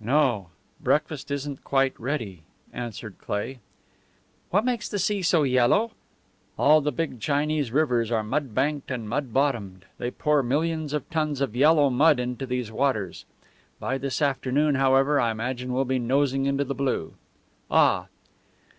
"No. Breakfast isn't quite ready," answered Cleigh. "What makes the sea so yellow?" "All the big Chinese rivers are mud banked and mud bottomed. They pour millions of tons of yellow mud into these waters. By this afternoon, however, I imagine we'll be nosing into the blue. Ah!"